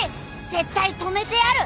絶対止めてやる！